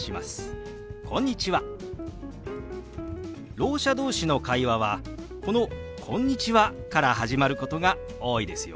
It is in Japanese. ろう者同士の会話はこの「こんにちは」から始まることが多いですよ。